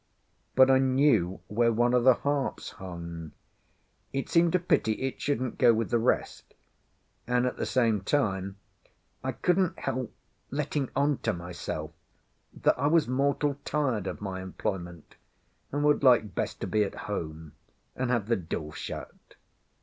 But I knew where one of the harps hung; it seemed a pity it shouldn't go with the rest; and at the same time I couldn't help letting on to myself that I was mortal tired of my employment, and would like best to be at home and have the door shut.